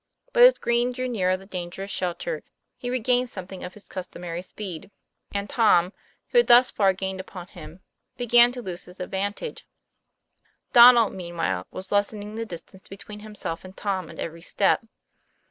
But as Green drew nearer the dangerous shelter, he regained something of his customary speed; and Tom, who had thus far gained upon him, began to lose his advantage; Donnel, meanwhile, was lessening the distance between himself and Tom at every step.